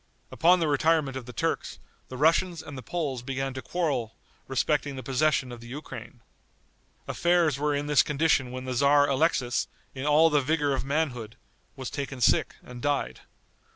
Upon the retirement of the Turks, the Russians and the Poles began to quarrel respecting the possession of the Ukraine. Affairs were in this condition when the tzar Alexis, in all the vigor of manhood, was taken sick and died.